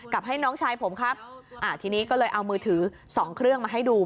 ให้น้องชายผมครับอ่าทีนี้ก็เลยเอามือถือสองเครื่องมาให้ดู